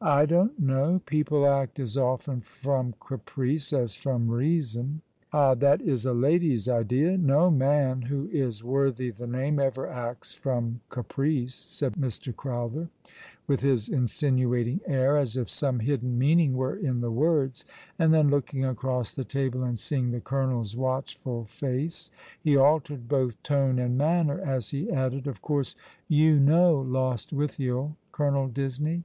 " I don't know. People act as often from caprice as from reason," ^^ Lies Nothing dtiried long ago?'' 123 " Ah, that is a lady's idea. No man who is worthy the name ever acts from caprice," said Mr. Crowther, with his insinuating air, as if some hidden meaning were in the words, and then looking across the table and seeing the colonel's "watchful face, he altered both tone and manner as he added, " Of course you know Lostwithiel, Colonel Disney